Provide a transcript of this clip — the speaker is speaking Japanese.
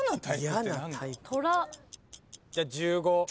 じゃあ１５。